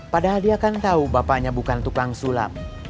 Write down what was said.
padahal dia kan tahu bapaknya bukan tukang sulap